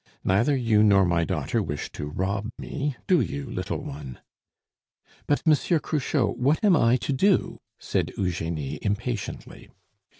Neither you nor my daughter wish to rob me, do you, little one?" "But, Monsieur Cruchot, what am I to do?" said Eugenie impatiently.